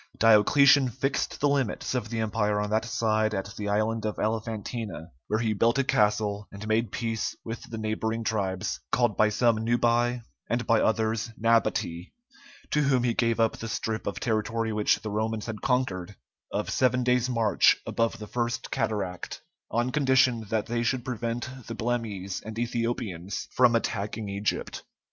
Diocletian fixed the limits of the Empire on that side at the island of Elephantina, where he built a castle, and made peace with the neighboring tribes, called by some Nubæ and by others Nabatæ, to whom he gave up the strip of territory which the Romans had conquered, of seven days' march above the first cataract, on condition that they should prevent the Blemmyes and Ethiopians from attacking Egypt.